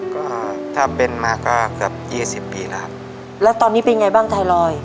ก็ถ้าเป็นมาก็เกือบยี่สิบปีแล้วครับแล้วตอนนี้เป็นไงบ้างไทรอยด์